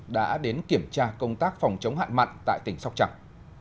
đã đến kiểm tra công tác phòng chống hạn mặn tại tỉnh sóc trăng